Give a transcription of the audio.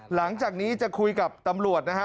หลังจากนี้จะคุยกับตำรวจนะฮะ